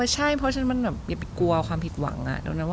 ใช่ไม่กลัวเอาความผิดหวัง